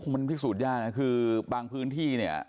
มันพิสูจน์ยากนะคือบางพื้นที่เนี่ย